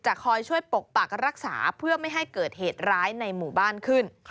คอยช่วยปกปักรักษาเพื่อไม่ให้เกิดเหตุร้ายในหมู่บ้านขึ้น